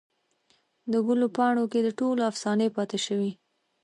دګلو پاڼوکې دټولو افسانې پاته شوي